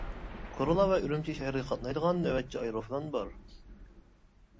كورلا ۋە ئۈرۈمچى شەھىرىگە قاتنايدىغان نۆۋەتچى ئايروپىلان بار.